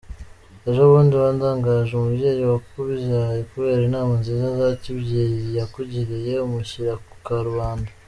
Ejobundi wandagaje umubyeyi wakubyaye kubera inama nziza za kibyeyi yakugiriye, umushyira ku karubanda.